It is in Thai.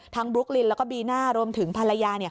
ทั้งบรุ๊คลินแล้วก็บีนารวมถึงภรรยา